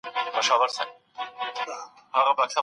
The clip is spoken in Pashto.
مشرانو ځوانانو ته د کار زمینه برابروله.